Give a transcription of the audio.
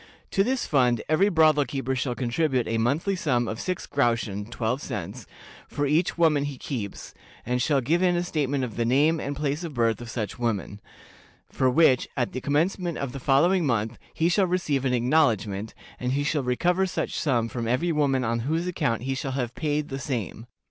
To this fund every brothel keeper shall contribute a monthly sum of six groschen (twelve cents) for each woman that he keeps, and shall give in a statement of the name and place of birth of such woman; for which, at the commencement of the following month, he shall receive an acknowledgment, and he shall recover such sum from every woman on whose account he shall have paid the same.